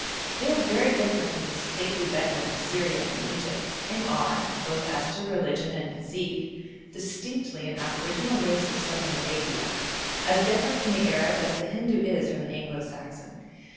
They are very different from the stately Bedouin of Syria and Egypt, and are, both as to religion and physique, distinctly an aboriginal race of Southern Arabia, as different from the Arab as the Hindoo is from the Anglo Saxon.